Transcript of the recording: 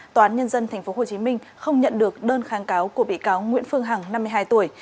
tòa án nhân dân tp hcm không nhận được đơn kháng cáo của bị cáo nguyễn phương hằng năm mươi hai tuổi